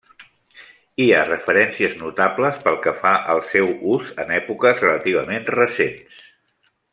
Hi ha referències notables pel que fa al seu ús en èpoques relativament recents.